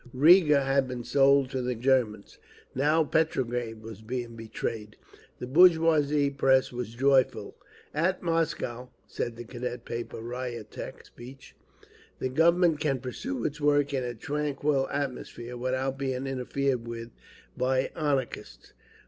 Riga had been sold to the Germans; now Petrograd was being betrayed! The bourgeois press was joyful. "At Moscow," said the Cadet paper Ryetch (Speech), "the Government can pursue its work in a tranquil atmosphere, without being interfered with by anarchists."